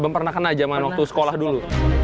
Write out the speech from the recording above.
belum pernah kena zaman waktu sekolah dulu